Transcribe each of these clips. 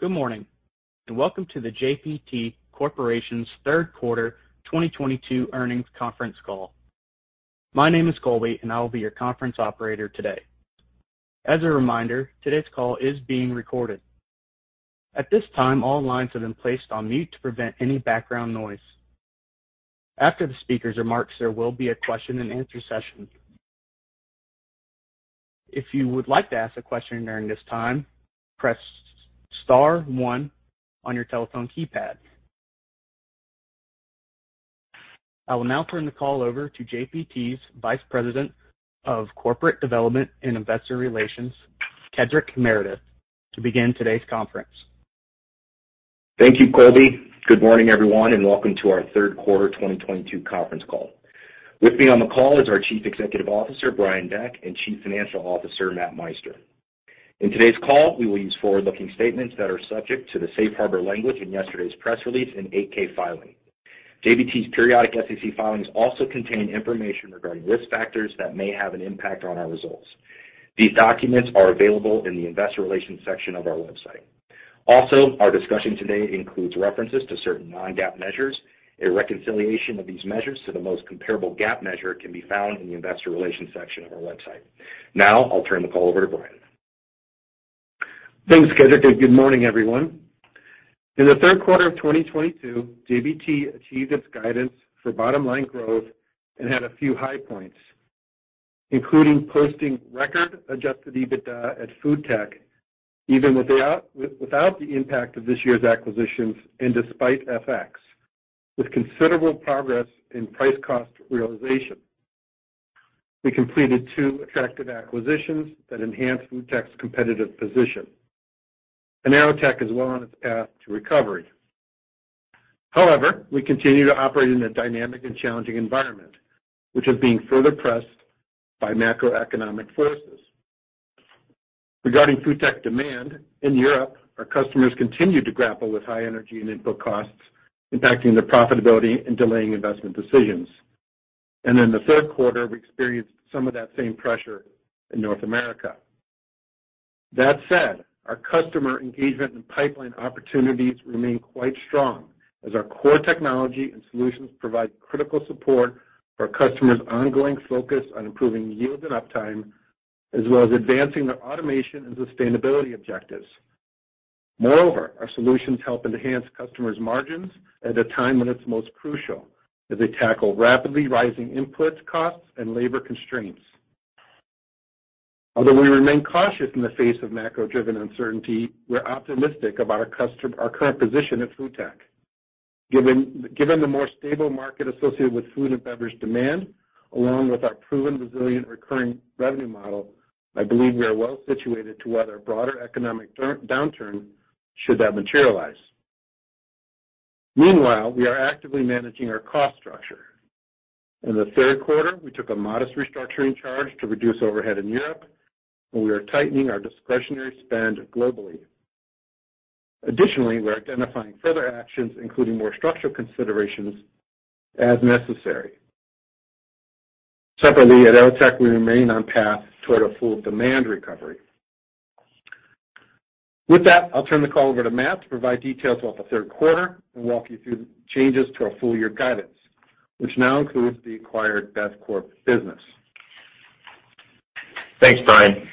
Good morning, and welcome to JBT Corporation's third-quarter 2022 earnings conference call. My name is Colby, and I will be your conference operator today. As a reminder, today's call is being recorded. At this time, all lines have been placed on mute to prevent any background noise. After the speakers' remarks, there will be a question-and-answer session. If you would like to ask a question during this time, press star one on your telephone keypad. I will now turn the call over to JBT's Vice President of Corporate Development and Investor Relations, Kedric Meredith, to begin today's conference. Thank you, Colby. Good morning, everyone, and welcome to our third-quarter 2022 conference call. With me on the call is our Chief Executive Officer, Brian Deck, and Chief Financial Officer, Matt Meister. In today's call, we will use forward-looking statements that are subject to the safe harbor language in yesterday's press release and 8-K filing. JBT's periodic SEC filings also contain information regarding risk factors that may impact our results. These documents are available in the investor relations section of our website. Also, our discussion today includes references to certain non-GAAP measures. A reconciliation of these measures to the most comparable GAAP measure can be found in the investor relations section of our website. Now, I'll turn the call over to Brian. Thanks, Kedric, and good morning, everyone. In the third quarter of 2022, JBT achieved its guidance for bottom-line growth and had a few high points, including posting record adjusted EBITDA at FoodTech, even without the impact of this year's acquisitions and despite FX, with considerable progress in price-cost realization. We completed two attractive acquisitions that enhanced FoodTech's competitive position. AeroTech is well on its path to recovery. However, we continue to operate in a dynamic and challenging environment, which is being further pressed by macroeconomic forces. Regarding FoodTech demand, in Europe, our customers continued to grapple with high energy and input costs, impacting their profitability and delaying investment decisions. In the third quarter, we experienced some of that same pressure in North America. That said, our customer engagement and pipeline opportunities remain quite strong as our core technology and solutions provide critical support for our customers' ongoing focus on improving yield and uptime, as well as advancing their automation and sustainability objectives. Moreover, our solutions help enhance customers' margins at a time when it's most crucial as they tackle rapidly rising input costs and labor constraints. Although we remain cautious in the face of macro-driven uncertainty, we're optimistic about our current position at FoodTech. Given the more stable market associated with food and beverage demand, along with our proven resilient recurring revenue model, I believe we are well situated to weather a broader economic downturn should that materialize. Meanwhile, we are actively managing our cost structure. In the third quarter, we took a modest restructuring charge to reduce overhead in Europe, and we are tightening our discretionary spend globally. Additionally, we're identifying further actions, including more structural considerations as necessary. Separately, at AeroTech, we remain on track toward a full demand recovery. With that, I'll turn the call over to Matt to provide details about the third quarter and walk you through the changes to our full-year guidance, which now includes the acquired Bevcorp business. Thanks, Brian.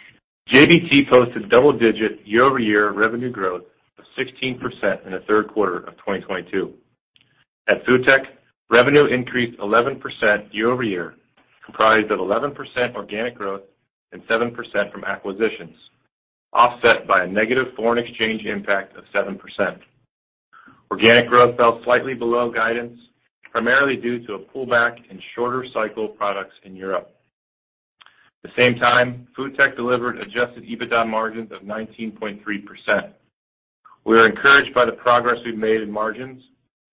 JBT posted double-digit year-over-year revenue growth of 16% in the third quarter of 2022. At FoodTech, revenue increased 11% year-over-year, comprising 11% organic growth and 7% from acquisitions, offset by a negative foreign exchange impact of 7%. Organic growth fell slightly below guidance, primarily due to a pullback in shorter-cycle products in Europe. At the same time, FoodTech delivered adjusted EBITDA margins of 19.3%. We are encouraged by the progress we've made in margins,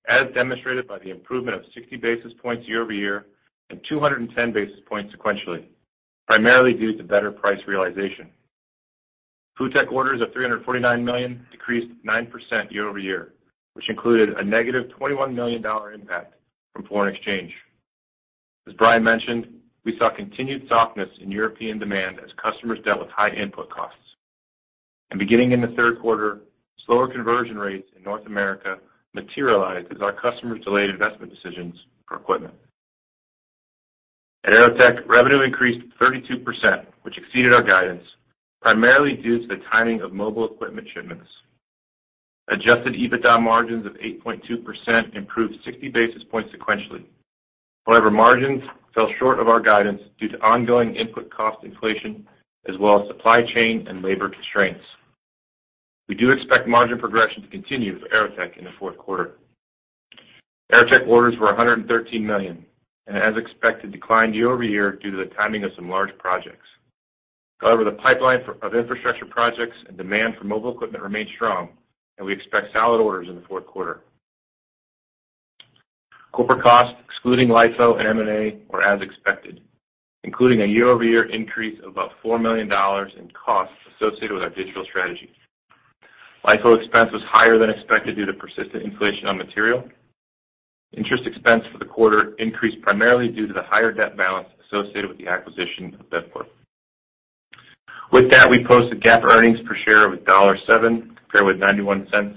as demonstrated by the improvement of 60 basis points year-over-year and 210 basis points sequentially, primarily due to better price realization. FoodTech orders of $349 million decreased 9% year-over-year, which included a negative $21 million impact from foreign exchange. As Brian mentioned, we saw continued softness in European demand as customers dealt with high input costs. Beginning in the third quarter, slower conversion rates in North America materialized as our customers delayed investment decisions for equipment. At AeroTech, revenue increased 32%, which exceeded our guidance, primarily due to the timing of mobile equipment shipments. Adjusted EBITDA margins of 8.2% improved 60 basis points sequentially. However, margins fell short of our guidance due to ongoing input cost inflation, as well as supply chain and labor constraints. We do expect margin progression to continue for AeroTech in the fourth quarter. AeroTech orders were $113 million and, as expected, declined year-over-year due to the timing of some large projects. However, the pipeline of infrastructure projects and demand for mobile equipment remains strong, and we expect solid orders in the fourth quarter. Corporate costs, excluding LIFO and M&A, were as expected, including a year-over-year increase of about $4 million in costs associated with our digital strategy. LIFO expense was higher than expected due to persistent inflation on materials. Interest expense for the quarter increased primarily due to the higher debt balance associated with the acquisition of Bevcorp. With that, we posted GAAP earnings per share of $0.07, compared with $0.91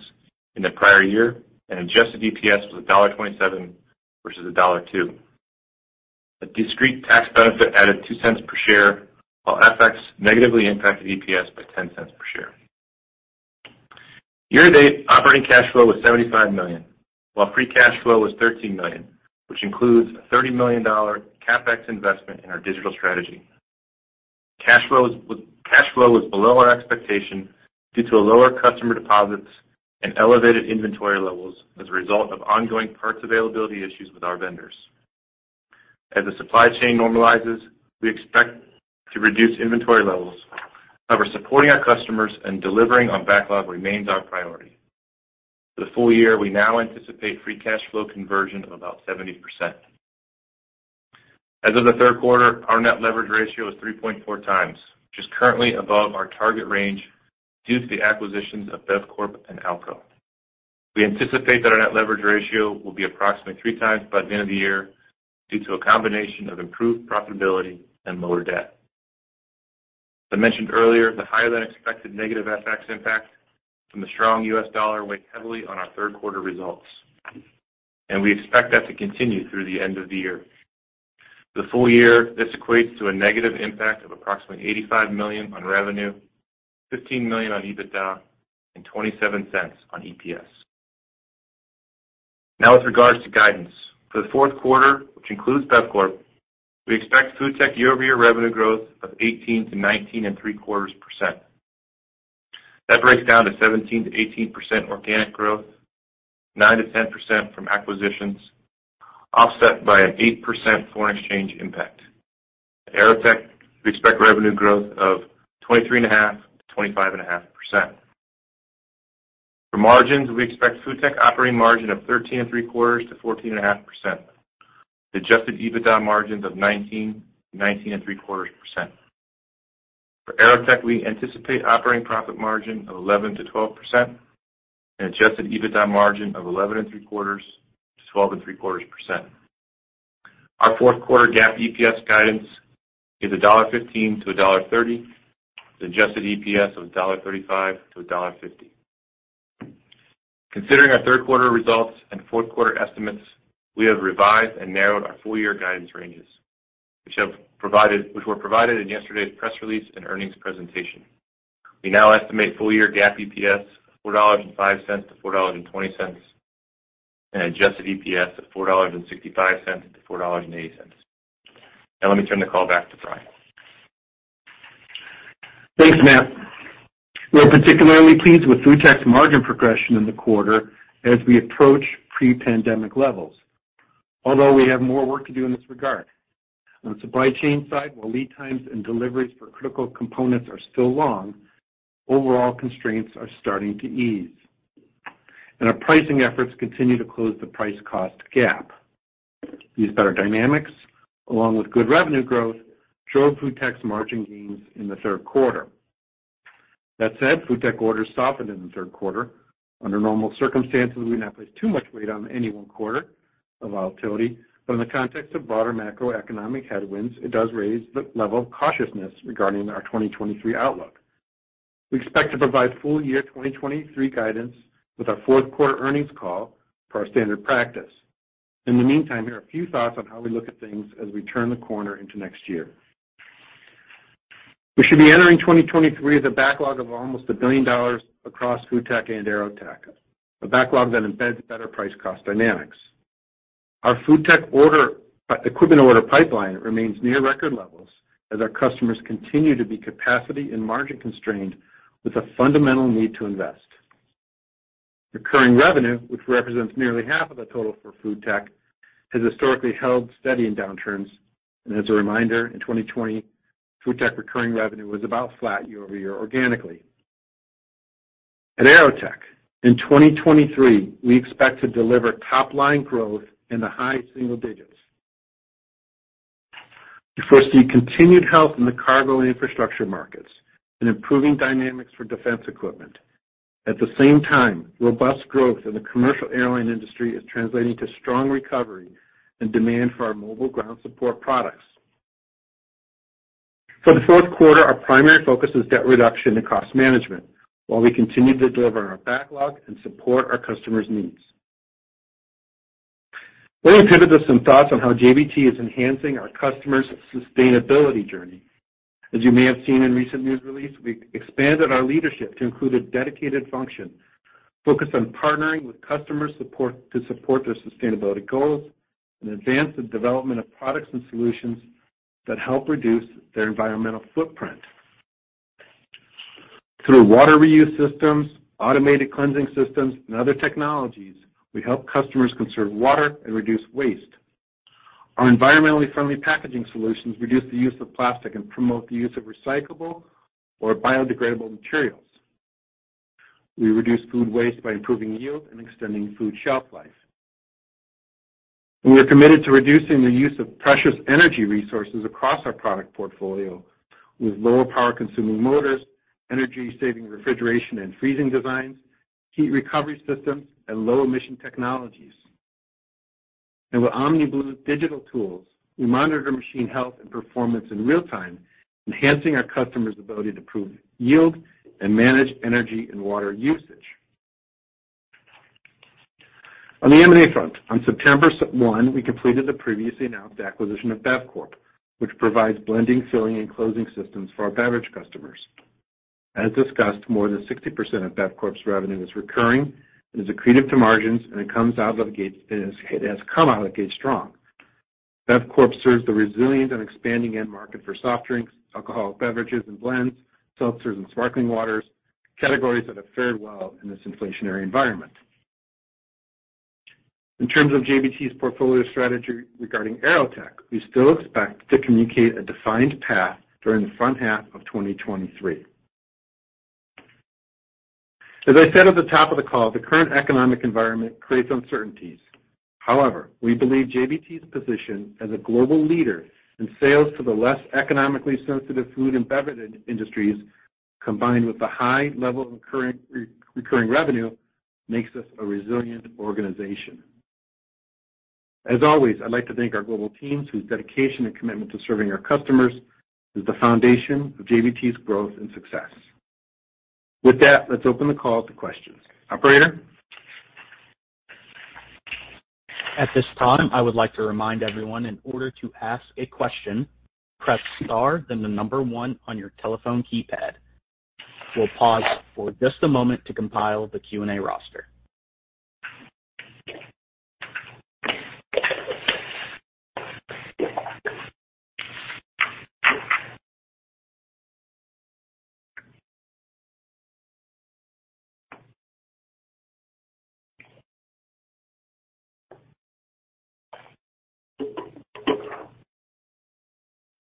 in the prior year, and adjusted EPS was $0.27 versus $0.02. A discrete tax benefit added $0.02 per share, while FX negatively impacted EPS by $0.10 per share. Year to date, operating cash flow was $75 million, while free cash flow was $13 million, which includes a $30 million CapEx investment in our digital strategy. Cash flow was below our expectations due to lower customer deposits and elevated inventory levels as a result of ongoing parts availability issues with our vendors. As the supply chain normalizes, we expect to reduce inventory levels. However, supporting our customers and delivering on backlog remains our priority. For the full year, we now anticipate free cash flow conversion of about 70%. As of the third quarter, our net leverage ratio is 3.4 times, which is currently above our target range due to the acquisitions of Bevcorp and Alco. We anticipate that our net leverage ratio will be approximately 3 times by the end of the year due to a combination of improved profitability and lower debt. As I mentioned earlier, the higher-than-expected negative FX impact from the strong US dollar weighed heavily on our third-quarter results, and we expect that to continue through the end of the year. For the full year, this equates to a negative impact of approximately $85 million on revenue, $15 million on EBITDA, and $0.27 on EPS. Now, with regard to guidance, for the fourth quarter, which includes Bevcorp, we expect FoodTech year-over-year revenue growth of 18%-19.75%. That breaks down to 17%-18% organic growth, 9%-10% from acquisitions, offset by an 8% foreign exchange impact. At AeroTech, we expect revenue growth of 23.5%-25.5%. For margins, we expect a FoodTech operating margin of 13.75%-14.5%. The adjusted EBITDA margin is 19.75%. For AeroTech, we anticipate an operating profit margin of 11%-12% and an adjusted EBITDA margin of 11.75%-12.75%. Our fourth-quarter GAAP EPS guidance is $1.15-$1.30. The adjusted EPS is $1.35-$1.50. Considering our third-quarter results and fourth-quarter estimates, we have revised and narrowed our full-year guidance ranges, which were provided in yesterday's press release and earnings presentation. We now estimate full-year GAAP EPS of $4.05-$4.20 and adjusted EPS at $4.65-$4.80. Now let me turn the call back to Brian. Thanks, Matt. We are particularly pleased with FoodTech's margin progression in the quarter as we approach pre-pandemic levels, although we have more work to do in this regard. On the supply chain side, while lead times and deliveries for critical components are still long, overall constraints are starting to ease, and our pricing efforts continue to close the price-cost gap. These better dynamics, along with good revenue growth, showed FoodTech's margin gains in the third quarter. That said, FoodTech orders softened in the third quarter. Under normal circumstances, we would not place too much weight on any one quarter of volatility, but in the context of broader macroeconomic headwinds, it does raise the level of cautiousness regarding our 2023 outlook. We expect to provide full-year 2023 guidance with our fourth-quarter earnings call per our standard practice. In the meantime, here are a few thoughts on how we look at things as we turn the corner into next year. We should be entering 2023 with a backlog of almost $1 billion across FoodTech and AeroTech, a backlog that embeds better price-cost dynamics. Our FoodTech equipment order pipeline remains near record levels as our customers continue to be capacity and margin-constrained with a fundamental need to invest. Recurring revenue, which represents nearly half of the total for FoodTech, has historically held steady in downturns. As a reminder, in 2020, FoodTech recurring revenue was about flat year-over-year organically. At AeroTech, in 2023, we expect to deliver top-line growth in the high single digits. We foresee continued health in the cargo and infrastructure markets and improving dynamics for defense equipment. At the same time, robust growth in the commercial airline industry is translating to strong recovery and demand for our mobile ground support products. For the fourth quarter, our primary focus is debt reduction and cost management, while we continue to deliver on our backlog and support our customers' needs. Let me pivot to some thoughts on how JBT is enhancing our customers' sustainability journey. As you may have seen in a recent news release, we expanded our leadership to include a dedicated function focused on partnering with customer support to support their sustainability goals and advance the development of products and solutions that help reduce their environmental footprint. Through water reuse systems, automated cleansing systems, and other technologies, we help customers conserve water and reduce waste. Our environmentally friendly packaging solutions reduce the use of plastic and promote the use of recyclable or biodegradable materials. We reduce food waste by improving yield and extending food shelf life. We are committed to reducing the use of precious energy resources across our product portfolio with lower power-consuming motors, energy-saving refrigeration and freezing designs, heat recovery systems, and low-emission technologies. With OmniBlu’s digital tools, we monitor machine health and performance in real time, enhancing our customers' ability to improve yield and manage energy and water usage. On the M&A front, on September 21, we completed the previously announced acquisition of Bevcorp, which provides blending, filling, and closing systems for our beverage customers. As discussed, more than 60% of Bevcorp's revenue is recurring and accretive to margins, and it has come out of the gate strong. Bevcorp serves the resilient and expanding end market for soft drinks, alcoholic beverages and blends, seltzers and sparkling waters—categories that have fared well in this inflationary environment. In terms of JBT's portfolio strategy regarding AeroTech, we still expect to communicate a defined path during the first half of 2023. As I said at the top of the call, the current economic environment creates uncertainties. However, we believe JBT's position as a global leader in sales to the less economically sensitive food and beverage industries, combined with the high level of current recurring revenue, makes us a resilient organization. As always, I'd like to thank our global teams whose dedication and commitment to serving our customers is the foundation of JBT's growth and success. With that, let's open the call to questions. Operator? At this time, I would like to remind everyone that in order to ask a question, press star, then the number one on your telephone keypad. We'll pause for just a moment to compile the Q&A roster.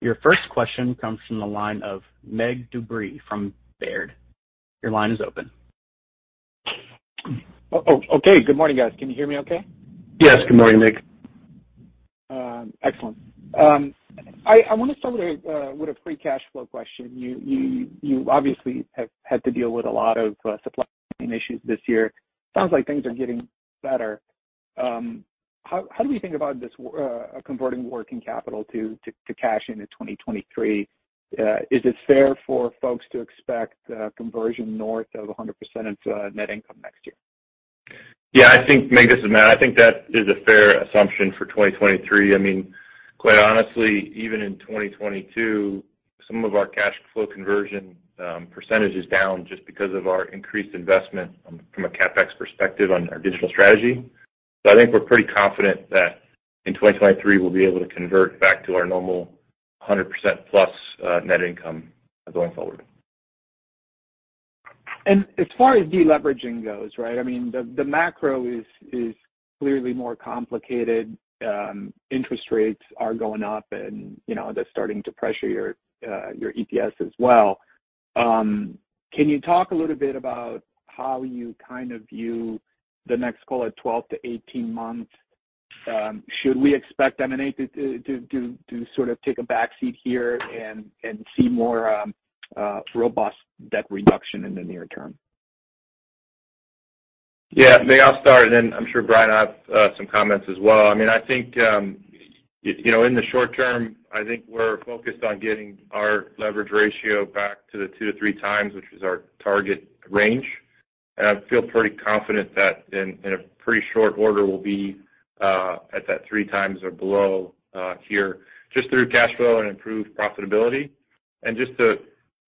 Your first question comes from the line of Mircea Dobre from Baird. Your line is open. Okay. Good morning, guys. Can you hear me okay? Yes. Good morning, Mircea. Excellent. I want to start with a free cash flow question. You've obviously had to deal with a lot of supply chain issues this year. It sounds like things are getting better. How do we think about converting working capital to cash in 2023? Is it fair for folks to expect conversion north of 100% of net income next year? Yeah, I think, Mircea, this is Matt. I think that is a fair assumption for 2023. I mean, quite honestly, even in 2022, some of our cash flow conversion percentage is down just because of our increased investment from a CapEx perspective on our digital strategy. I think we're pretty confident that in 2023, we'll be able to convert back to our normal 100%+ net income going forward. As far as deleveraging goes, right, I mean, the macro is clearly more complicated. Interest rates are going up and, you know, that's starting to pressure your EPS as well. Can you talk a little bit about how you kind of view the next 12-18 months? Should we expect M&A to sort of take a back seat here and see more robust debt reduction in the near term? Yeah, maybe I'll start, and then I'm sure Brian will have some comments as well. I mean, I think, you know, in the short term, I think we're focused on getting our leverage ratio back to the 2-3 times, which is our target range. I feel pretty confident that in pretty short order we'll be at that 3 times or below here just through cash flow and improved profitability. Just as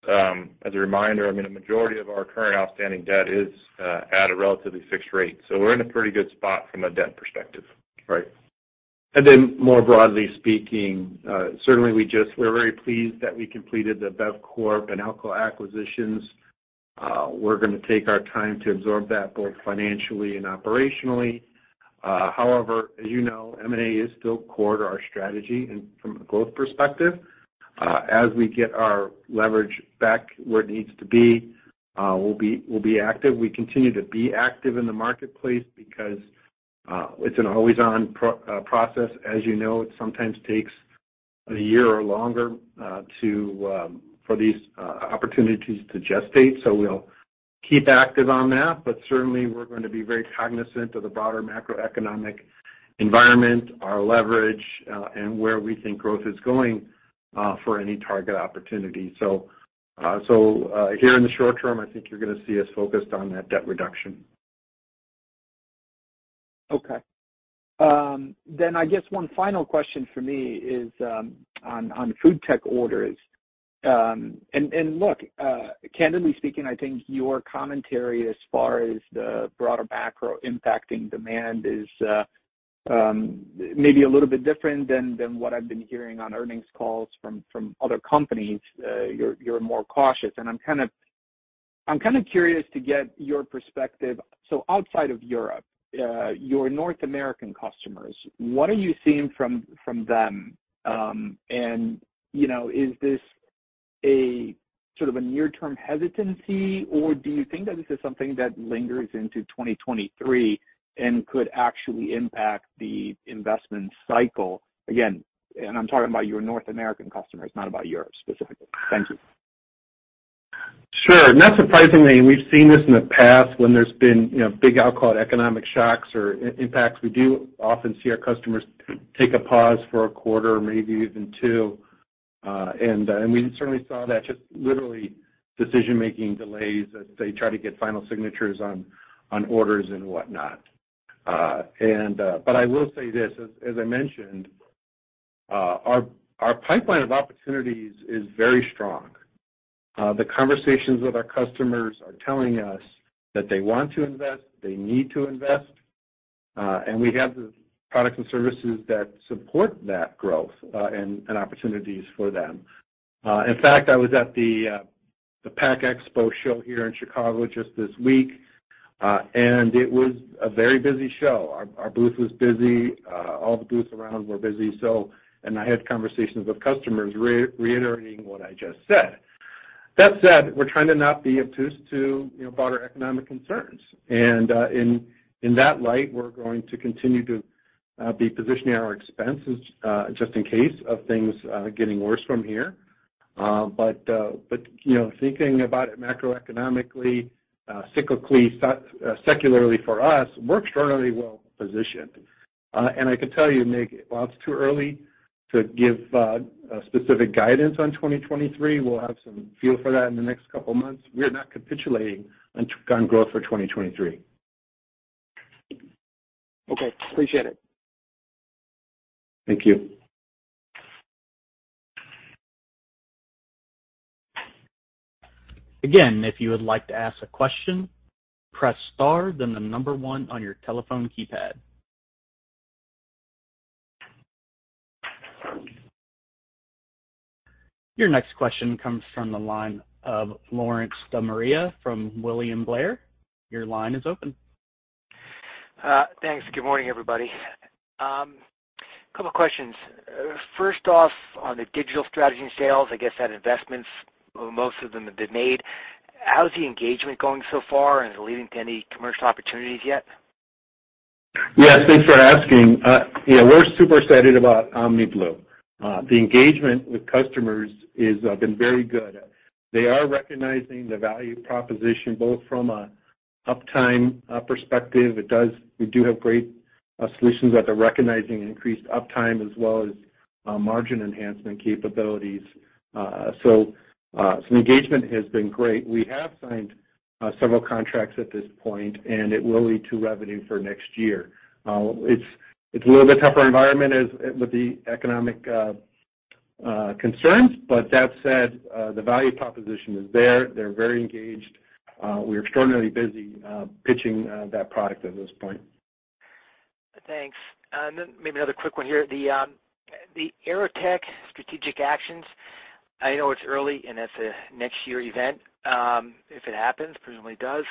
a reminder, I mean, a majority of our current outstanding debt is at a relatively fixed rate. We're in a pretty good spot from a debt perspective. Right. Then more broadly speaking, certainly we're very pleased that we completed the Bevcorp and Alco acquisitions. We're going to take our time to absorb that both financially and operationally. However, as you know, M&A is still core to our strategy from a growth perspective. As we get our leverage back where it needs to be, we'll be active. We continue to be active in the marketplace because it's an always-on process. As you know, it sometimes takes a year or longer for these opportunities to gestate. So we'll keep active on that, but certainly we're going to be very cognizant of the broader macroeconomic environment, our leverage, and where we think growth is going for any target opportunity. So here in the short term, I think you're going to see us focused on that debt reduction. Okay, I guess one final question for me is on FoodTech orders. Look, candidly speaking, I think your commentary as far as the broader macro impacting demand is maybe a little bit different than what I've been hearing on earnings calls from other companies. You're more cautious, and I'm kind of curious to get your perspective. Outside of Europe, your North American customers, what are you seeing from them? You know, is this a sort of near-term hesitancy, or do you think that this is something that lingers into 2023 and could actually impact the investment cycle? Again, I'm talking about your North American customers, not about Europe specifically. Thank you. Sure. Not surprisingly, we've seen this in the past when there have been big macroeconomic shocks or impacts. We often see our customers take a pause for a quarter, maybe even two. We certainly saw that, literally, decision-making delays as they tried to get final signatures on orders and whatnot. I will say this, as I mentioned, our pipeline of opportunities is very strong. The conversations with our customers are telling us that they want to invest, they need to invest, and we have the products and services that support that growth and opportunities for them. In fact, I was at the PACK EXPO show here in Chicago just this week, and it was a very busy show. Our booth was busy; all the booths around were busy. I had conversations with customers, reiterating what I just said. That said, we're trying not to be obtuse to, you know, broader economic concerns. In that light, we're going to continue to position our expenses just in case things get worse from here. You know, thinking about it macroeconomically, cyclically, and secularly for us, we're extraordinarily well-positioned. I could tell you, Mircea, while it's too early to give specific guidance on 2023, we'll have some feel for that in the next couple of months. We're not capitulating on growth for 2023. Okay. Appreciate it. Thank you. Again, if you would like to ask a question, press star then 1 on your telephone keypad. Your next question comes from the line of Lawrence DeMaria from William Blair. Your line is open. Thanks. Good morning, everybody. A couple of questions. First off, on the digital strategy and sales, I guess most of those investments have been made. How's the engagement going so far, and is it leading to any commercial opportunities yet? Yeah, thanks for asking. Yeah, we're super excited about OmniBlu. The engagement with customers has been very good. They are recognizing the value proposition both from an uptime perspective. We do have great solutions that they're recognizing increased uptime as well as margin enhancement capabilities. So engagement has been great. We have signed several contracts at this point, and it will lead to revenue for next year. It's a little bit tougher environment with the economic concerns. That said, the value proposition is there. They're very engaged. We're extraordinarily busy pitching that product at this point. Thanks. Maybe another quick one here. The AeroTech strategic actions, I know it's early, and that's a next year event, if it happens, presumably it does.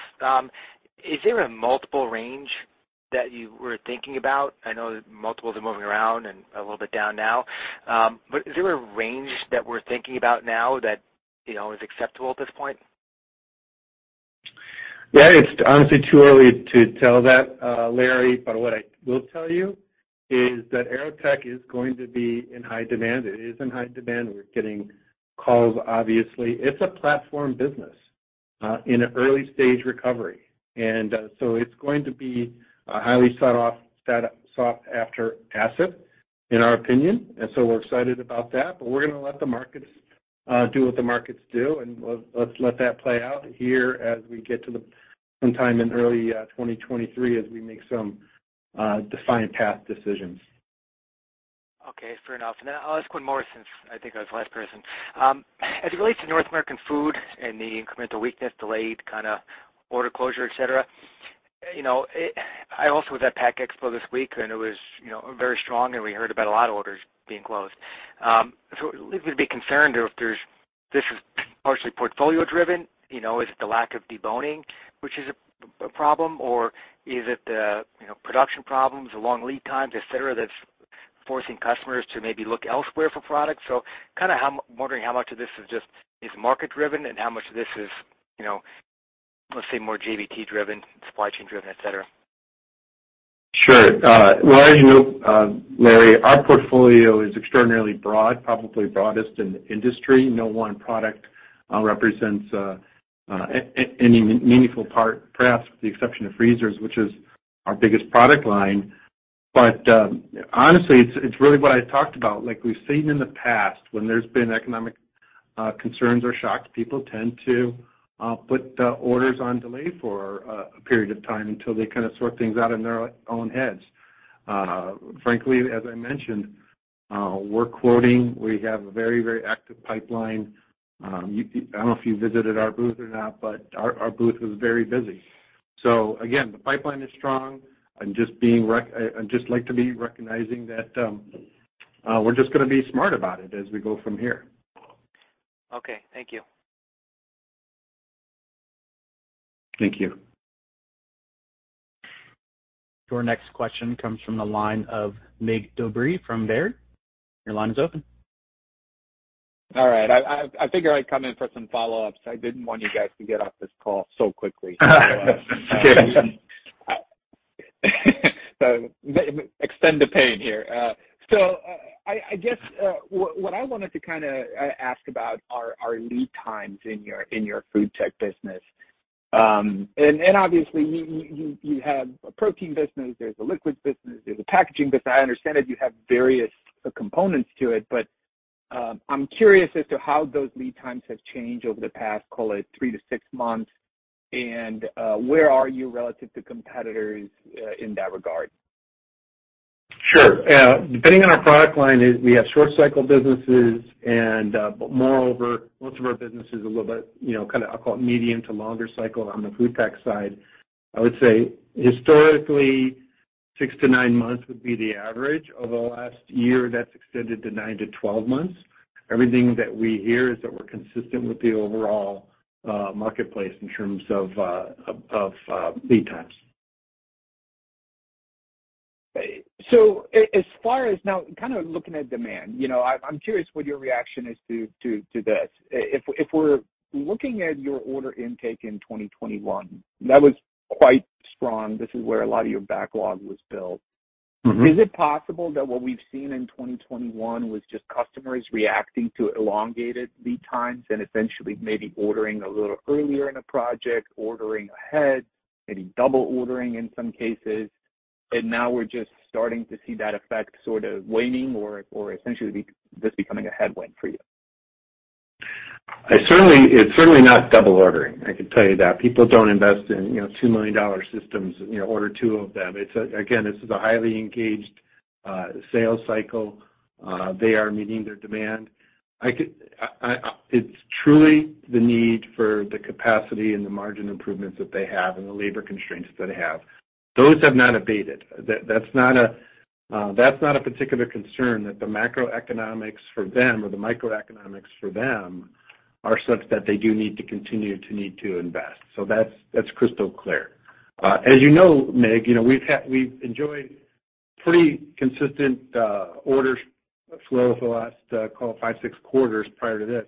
Is there a multiple range that you are thinking about? I know that multiples are moving around and a little bit down now. Is there a range that we are thinking about now that, you know, is acceptable at this point? Yeah, it's honestly too early to tell, Larry. What I will tell you is that AeroTech is going to be in high demand. It is in high demand. We're getting calls, obviously. It's a platform business in an early-stage recovery. It's going to be a highly sought-after asset, in our opinion. We're excited about that. We're going to let the markets do what the markets do, and let's let that play out here as we get to sometime in early 2023 as we make some defined path decisions. Okay, fair enough. Then I'll ask one more since I think I was the last person. As it relates to North American food and the incremental weakness, delayed order closure, et cetera, you know, I also was at PACK EXPO this week, and it was, you know, very strong, and we heard about a lot of orders being closed. Does this lead me to be concerned, or is this partially portfolio-driven? You know, is it the lack of deboning, which is a problem, or is it the, you know, production problems, the long lead times, et cetera, that's forcing customers to maybe look elsewhere for products? I'm wondering how much of this is just market-driven and how much of this is, you know, let's say, more JBT-driven, supply chain-driven, et cetera. Sure. Well, as you know, Larry, our portfolio is extraordinarily broad, probably the broadest in the industry. No one product represents any meaningful part, perhaps with the exception of freezers, which is our biggest product line. But honestly, it's really what I talked about. Like we've seen in the past when there have been economic concerns or shocks, people tend to put orders on delay for a period of time until they kind of sort things out in their own heads. Frankly, as I mentioned, we're quoting. We have a very active pipeline. I don't know if you visited our booth or not, but our booth was very busy. So again, the pipeline is strong. I'd just like to be recognizing that we're just gonna be smart about it as we go from here. Okay. Thank you. Thank you. Your next question comes from the line of Mircea Dobre from Baird. Your line is open. All right. I figured I'd come in for some follow-ups. I didn't want you guys to get off this call so quickly. Extend the pain here. I guess what I wanted to kind of ask about are lead times in your food tech business. Obviously, you have a protein business, there's a liquids business, there's a packaging business. I understand that you have various components to it, but I'm curious as to how those lead times have changed over the past, call it 3-6 months, and where are you relative to competitors in that regard? Sure. Depending on our product line, we have short-cycle businesses, but moreover, most of our business is a little bit, you know, what I'll call medium to longer cycle on the FoodTech side. I would say historically 6-9 months would be the average. Over the last year, that's extended to 9-12 months. Everything that we hear is that we're consistent with the overall marketplace in terms of lead times. As of now, looking at demand, I'm curious what your reaction is to this. If we're looking at your order intake in 2021, that was quite strong. This is where a lot of your backlog was built. Mm-hmm. Is it possible that what we saw in 2021 was just customers reacting to elongated lead times and essentially maybe ordering a little earlier in a project, ordering ahead, maybe double ordering in some cases, and now we're just starting to see that effect sort of waning or essentially becoming a headwind for you? It's certainly not double ordering, I can tell you that. People don't invest in, you know, $2 million systems and, you know, order two of them. Again, this is a highly engaged sales cycle. They are meeting their demand. It's truly the need for the capacity and the margin improvements that they have and the labor constraints that they have. Those have not abated. That's not a particular concern that the macroeconomics for them or the microeconomics for them are such that they do need to continue to invest. So that's crystal clear. As you know, Mircea, we've enjoyed pretty consistent order flow for the last, call it, five or six quarters prior to this.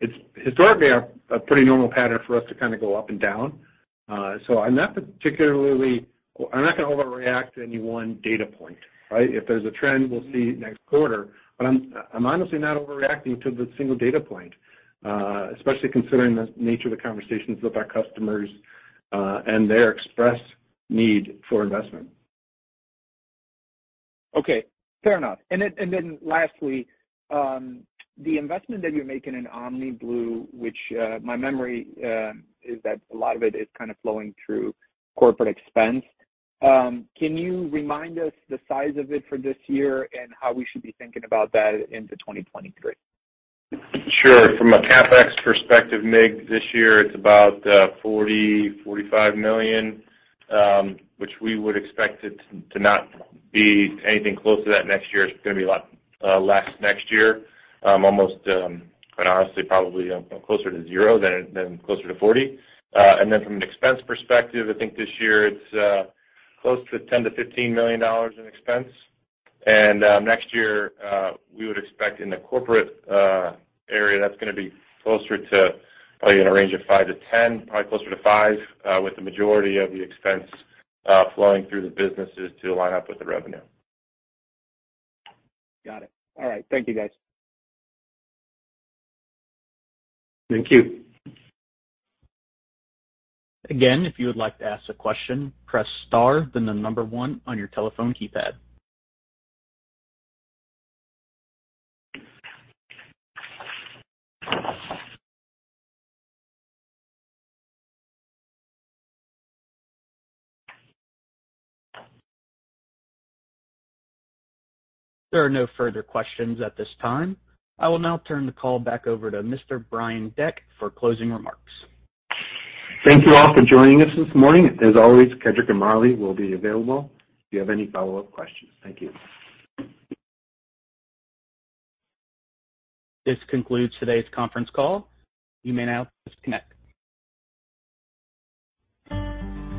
It's historically a pretty normal pattern for us to kind of go up and down. I'm not going to overreact to any one data point, right? If there's a trend, we'll see next quarter. I'm honestly not overreacting to the single data point, especially considering the nature of the conversations with our customers and their express need for investment. Okay, fair enough. Lastly, the investment you're making in OmniBlu, which, if my memory serves me, a lot of it is kind of flowing through corporate expense. Can you remind us of its size for this year and how we should be thinking about that into 2023? Sure. From a CapEx perspective, Mircea Dobre, this year it's about $40-$45 million, which we would expect to not be anything close to that next year. It's going to be a lot less next year, quite honestly, probably closer to zero than closer to 40. From an expense perspective, I think this year it's close to $10-$15 million in expenses. Next year, we would expect in the corporate area that's going to be closer to probably in a range of $5-$10 million, probably closer to $5 million, with the majority of the expense flowing through the businesses to line up with the revenue. Got it. All right. Thank you guys. Thank you. Again, if you would like to ask a question, press star, then the number one on your telephone keypad. There are no further questions at this time. I will now turn the call back over to Mr. Brian Deck for closing remarks. Thank you all for joining us this morning. As always, Kedric and Marlee will be available if you have any follow-up questions. Thank you. This concludes today's conference call. You may now disconnect.